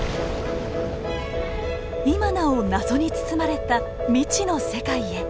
今なお謎に包まれた未知の世界へ。